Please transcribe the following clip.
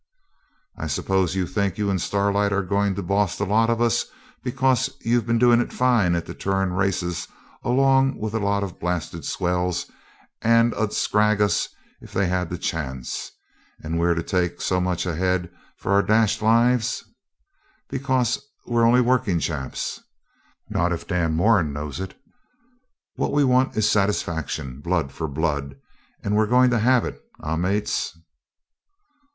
'I suppose you think you and Starlight's going to boss the lot of us, because you've been doing it fine at the Turon races along with a lot of blasted swells as 'ud scrag us if they had the chance, and we're to take so much a head for our dashed lives, because we're only working chaps. Not if Dan Moran knows it. What we want is satisfaction blood for blood and we're a goin' to have it, eh, mates?'